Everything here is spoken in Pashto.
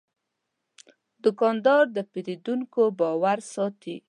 دوکاندار د پیرودونکو باور ساتي.